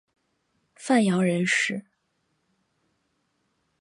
范阳人氏。